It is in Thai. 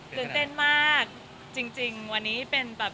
ตื่นเต้นมากจริงวันนี้เป็นแบบ